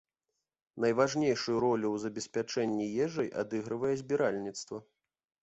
Найважнейшую ролю ў забеспячэнні ежай адыгрывае збіральніцтва.